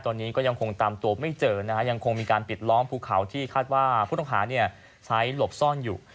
ตอนนี้ก็ยังคงตามตัวไม่เจอนะฮะยังคงมีการปิดล้อมภูเขาที่คาดว่าผู้ต้องหาใช้หลบซ่อนอยู่